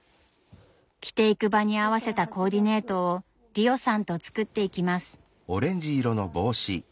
着ていく場に合わせたコーディネートをリオさんと作っていきます。